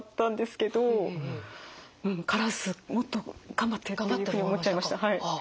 カラスもっと頑張ってっていうふうに思っちゃいました。